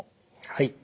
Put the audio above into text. はい。